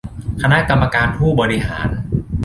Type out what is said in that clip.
คณะกรรมการผู้บริหาร